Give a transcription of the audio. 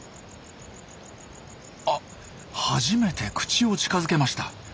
あ初めて口を近づけました。